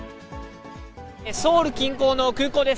ソウル近郊の空港です。